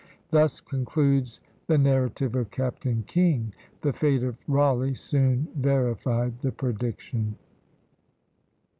Thus concludes the narrative of Captain King. The fate of Rawleigh soon verified the prediction.